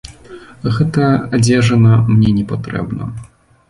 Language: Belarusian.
Гэтая адзежына мне не патрэбна.